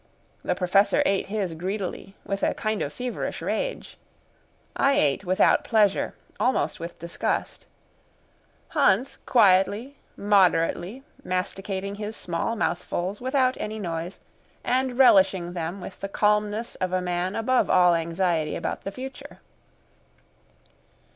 The Professor ate his greedily, with a kind of feverish rage. I ate without pleasure, almost with disgust; Hans quietly, moderately, masticating his small mouthfuls without any noise, and relishing them with the calmness of a man above all anxiety about the future.